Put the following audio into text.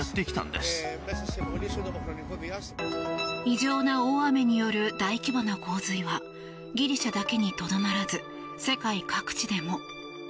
異常な大雨による大規模な洪水はギリシャだけにとどまらず世界各地でも。